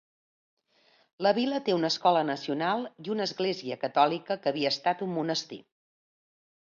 La vila té una escola nacional i una església catòlica que havia estat un monestir.